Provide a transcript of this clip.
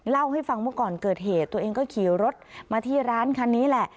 เล่าให้ฟังว่าก่อนเกิดเหตุตัวเองก็ขี่รถมาที่ร้านคันนี้แหละ